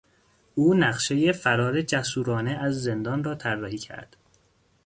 او نقشهی فرار جسورانه از زندان را طراحی کرد.